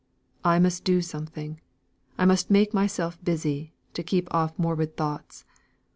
I must do something! I must make myself busy, to keep off morbid thoughts.